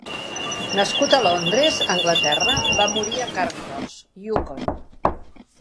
Nascut a Londres, Anglaterra, va morir a Carcross, Yukon.